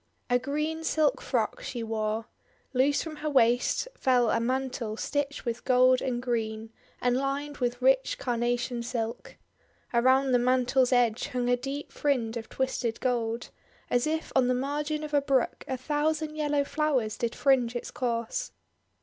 A green silk frock she wore. Loose from her waist fell a mantle stitched with gold and green, and lined with rich carnation silk. Around the THE WONDER GARDEN mantle's edge hung a deep fringe of twisted gold, as if on the margin of a brook a thousand yellow flowers did fringe its course.